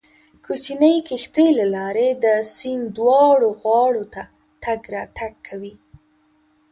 کوچنۍ کښتۍ له لارې د سیند دواړو غاړو ته تګ راتګ کوي